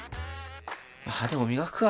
歯でも磨くか。